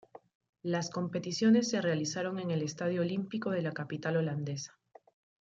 Las competiciones se realizaron en el Estadio Olímpico de la capital holandesa.